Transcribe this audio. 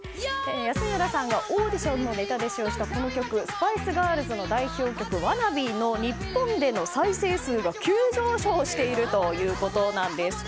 安村さんのオーディションのネタで使用したこの曲スパイス・ガールズの代表曲「ワナビー」の日本での再生数が急上昇しているということです。